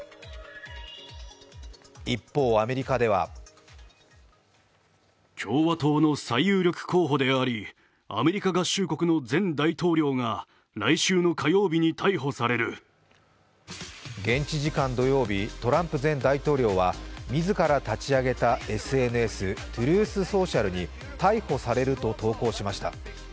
一方、アメリカでは現地時間土曜日、トランプ前大統領は、自ら立ち上げたＳＮＳＴｒｕｔｈＳｏｃｉａｌに逮捕されると投稿しました。